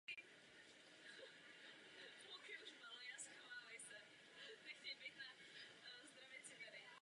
Poté následovalo tříleté působení v Middlesbrough a již méně úspěšné v Newcastlu.